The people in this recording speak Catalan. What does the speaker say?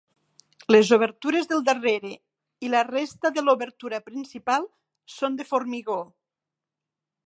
Les obertures del darrere i la resta de l'obertura principal són de formigó.